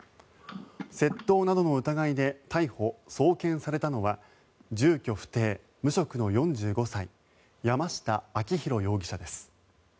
窃盗などの疑いで逮捕・送検されたのは住居不定・無職の４５歳山下晃廣容疑者です。